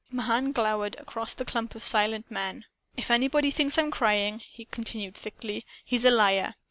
I " Mahan glowered across at the clump of silent men. "If anybody thinks I'm crying," he continued thickly, "he's a liar.